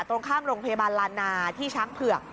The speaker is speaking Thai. ตรงข้ามโรงพยาบาลลานาที่ช้างเผือก